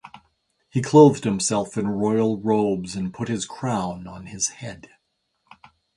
He clothed himself in royal robes and put his crown on his head.